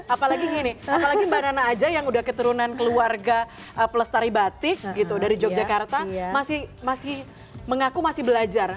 apalagi gini apalagi mbak nana aja yang udah keturunan keluarga pelestari batik gitu dari yogyakarta masih mengaku masih belajar